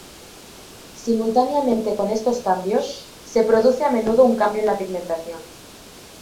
Simultáneamente con estos cambios, se produce a menudo un cambio en la pigmentación.